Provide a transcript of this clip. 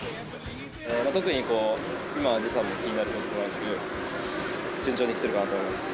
特に今は時差も気になることなく、順調にきてるかなと思います。